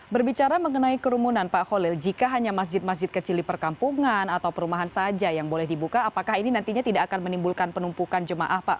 berbicara mengenai kerumunan pak holil jika hanya masjid masjid kecil di perkampungan atau perumahan saja yang boleh dibuka apakah ini nantinya tidak akan menimbulkan penumpukan jemaah pak